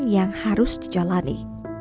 yang harus dijalani